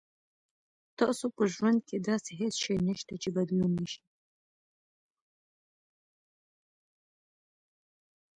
تاسو په ژوند کې داسې هیڅ څه نشته چې بدلون نه شي.